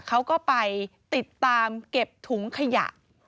เขาก็ไปติดตามเก็บถุงขยะ